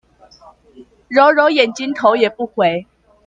揉揉眼睛頭也不回